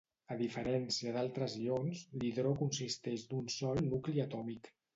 A diferència d'altres ions, l'hidró consisteix d'un sol nucli atòmic.